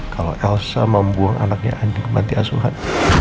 kalau elsa membuang anaknya anjing kembali asuhan